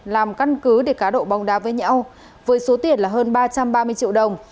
làm căn cứ để cá độ bóng đá với nhau với số tiền là hơn ba trăm ba mươi triệu đồng